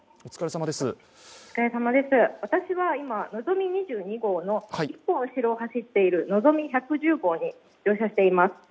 私は今、のぞみ２２号の１本後ろを走っているのぞみ１１０号に乗車しています。